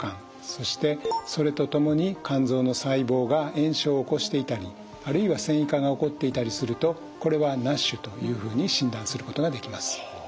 そしてそれとともに肝臓の細胞が炎症を起こしていたりあるいは繊維化が起こっていたりするとこれはＮＡＳＨというふうに診断することができます。